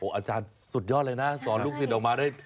โหยอาจารย์สุดยอดแบบนั้นสอนลูกสินต์ออกมาได้